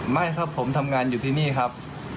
ไม่ครับผมทำงานอยู่ที่นี่ครับ